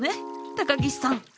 高岸さん。